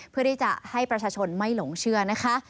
เพื่อที่จะให้ประชาชนไม่หลงเชื่อนะคะ